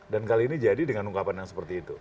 dan kali ini jadi dengan ungkapan yang seperti itu